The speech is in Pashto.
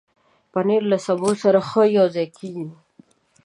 پنېر له سبو سره ښه یوځای کېږي.